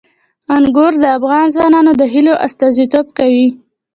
انګور د افغان ځوانانو د هیلو استازیتوب کوي.